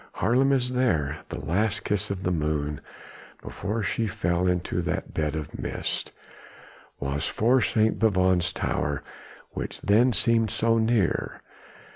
Haarlem is there! the last kiss of the moon before she fell into that bed of mist, was for St. Bavon's tower, which then seemed so near.